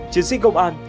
chiến sĩ công an